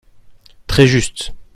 Très juste